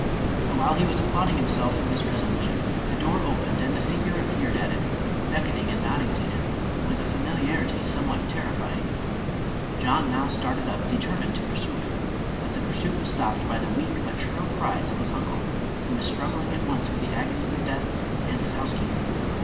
But while he was applauding himself for this resolution, the door opened, and the figure appeared at it, beckoning and nodding to him, with a familiarity somewhat terrify ing. John now started up, determined to pursue it; but the pursuit was stopped by the weak but shrill cries of his uncle, who was struggling at once with the agonies of death and his housekeeper.